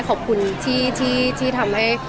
ขอบคุณที่ทำให้